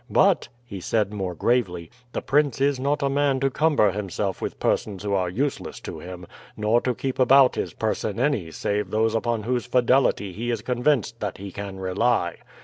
But," he said more gravely, "the prince is not a man to cumber himself with persons who are useless to him, nor to keep about his person any save those upon whose fidelity he is convinced that he can rely.